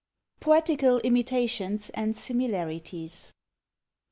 POETICAL IMITATIONS AND SIMILARITIES.